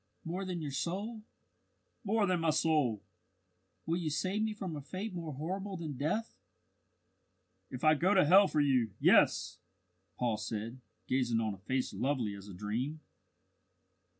"More than your soul?" "More than my soul." "Will you save me from a fate more horrible than death?" "If I go to Hell for you yes!" Paul said, gazing on a face lovely as a dream.